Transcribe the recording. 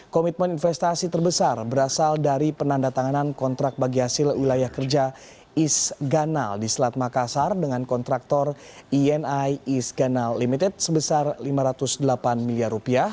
komitmen investasi terbesar berasal dari penanda tanganan kontrak bagi hasil wilayah kerja east ganal di selat makassar dengan kontraktor eni east ganal limited sebesar lima ratus delapan miliar rupiah